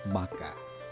maka akan berubah